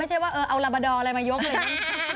ไม่ใช่ว่าเอาแรมมายกเลย